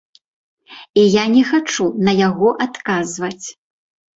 І я не хачу на яго адказваць.